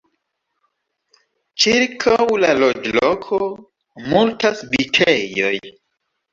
Ĉirkaŭ la loĝloko multas vitejoj.